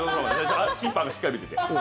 審判がしっかり見てて。